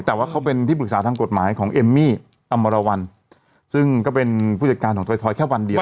แต่ว่าเขาเป็นที่ปรึกษาทางกฎหมายของเอมมี่อมรวรรณซึ่งก็เป็นผู้จัดการของถอยแค่วันเดียว